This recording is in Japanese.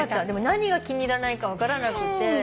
何が気に入らないか分からなくて。